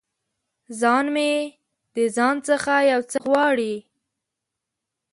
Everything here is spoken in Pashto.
ځان مې د ځان څخه یو څه غواړي